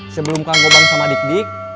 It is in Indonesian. sebelum kangkoban sama dik dik